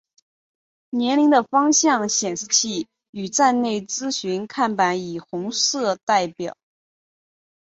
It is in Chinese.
车辆的方向显示器与站内资讯看板以红色代表。